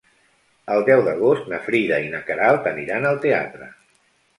El deu d'agost na Frida i na Queralt aniran al teatre.